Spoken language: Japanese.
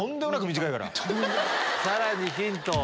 さらにヒントを。